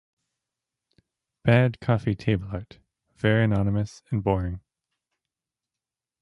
'Bad coffee table art, very anonymous and boring.